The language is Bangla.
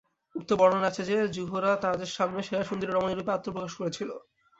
উক্ত বর্ণনায় আছে যে, যুহরা তাদের সামনে সেরা সুন্দরী রমণীরূপে আত্মপ্রকাশ করেছিল।